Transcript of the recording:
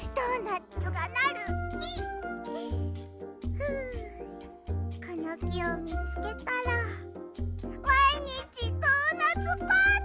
ふうこのきをみつけたらまいにちドーナツパーティー！